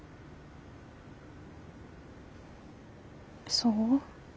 そう？